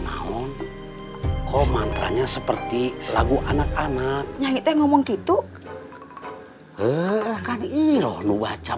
aku butuh pertolonganmu kisanak